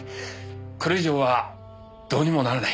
これ以上はどうにもならない。